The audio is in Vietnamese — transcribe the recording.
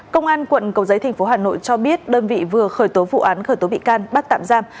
công an quận cầu giấy tp hà nội cho biết đơn vị vừa khởi tố vụ án khởi tố bị can bắt tạm giam